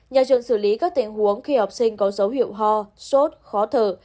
nhà trường xử lý các tình huống khi học sinh có dấu hiệu ho sốt khó thở